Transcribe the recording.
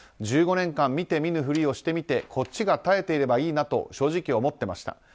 １５年間見て見ぬ振りをしてみてこっちが耐えてればいいなと正直思ってました。